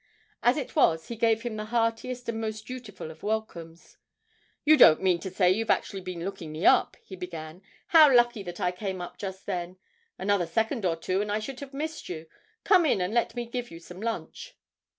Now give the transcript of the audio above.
As it was, he gave him the heartiest and most dutiful of welcomes. 'You don't mean to say you've actually been looking me up?' he began; 'how lucky that I came up just then another second or two and I should have missed you. Come in, and let me give you some lunch?'